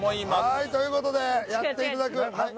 はいということでやっていただくはい？